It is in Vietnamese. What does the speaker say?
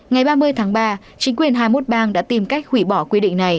ngày ba mươi tháng ba chính quyền hai mươi một bang đã tìm cách hủy bỏ quy định này